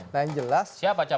nah yang jelas